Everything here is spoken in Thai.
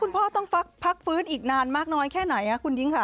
พ่อต้องพักฟื้นอีกนานมากน้อยแค่ไหนคุณยิ้งค่ะ